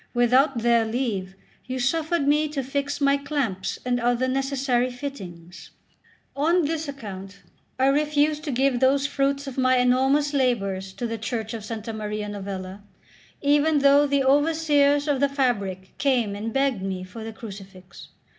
Without their leave you suffered me to fix my clamps and other necessary fittings." On this account I refused to give those fruits of my enormous labours to the church of S. Maria Novella, even though the overseers of the fabric came and begged me for the crucifix.